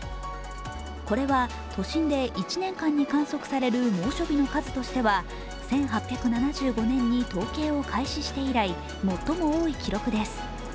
これは都心で１年間に観測される猛暑日の数としては１８７５年に統計を開始して以来、最も多い記録です。